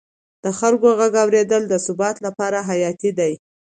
د خلکو غږ اورېدل د ثبات لپاره حیاتي دی